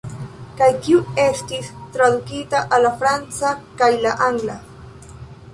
Kaj kiu estis tradukita al la franca kaj angla.